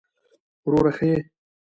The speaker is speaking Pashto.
وروره ښه يې!